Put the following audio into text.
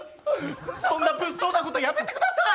そんな物騒なことやめてください！